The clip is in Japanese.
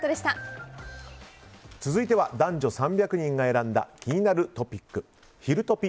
続いては男女３００人が選んだ気になるトピックひるトピ！